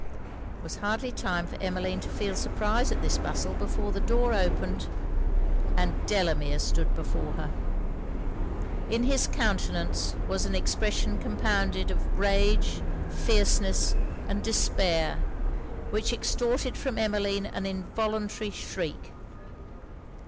There was hardly time for Emmeline to feel surprise at this bustle, before the door opened, and Delamere stood before her! In his countenance was an expression compounded of rage, fierceness and despair, which extorted from Emmeline an involuntary shriek!